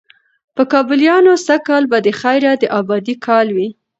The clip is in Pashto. په کابليانو سږ کال به د خیره د آبادۍ کال وي،